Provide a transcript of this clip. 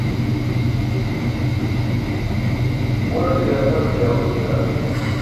unaṭe jaa tʰa rupaya uṣ bila